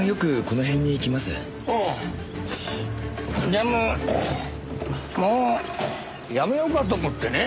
でももうやめようかと思ってね。